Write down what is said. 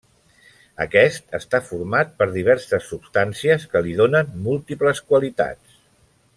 Aquest està format per diverses substàncies que li donen múltiples qualitats.